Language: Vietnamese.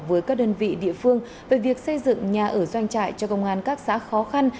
với các đơn vị địa phương về việc xây dựng nhà ở doanh trại cho công an các xã khó khăn